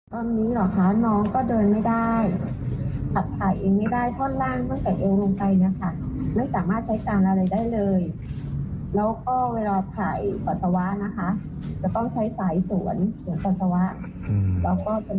ตอนนี้หรอคะน้องก็เดินไม่ได้ถัดถ่ายอีกไม่ได้ท่อนล่าง